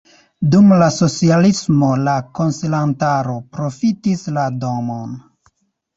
Dum la socialismo la konsilantaro profitis la domon.